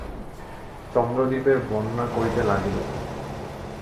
চন্দ্রদ্বীপের বর্ণনা করিতে লাগিল।